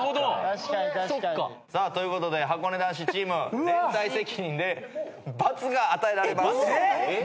確かに確かに。ということではこね男子チーム連帯責任で罰が与えられます。